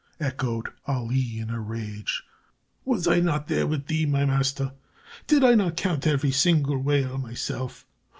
echoed Ali, in a rage. "Was I not there with thee, my master? Did I not count every single whale myself?